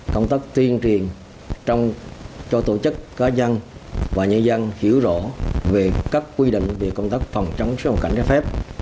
công tác tuyên truyền cho tổ chức cá nhân và nhân dân hiểu rõ về các quy định về công tác phòng chống xuất nhập cảnh trái phép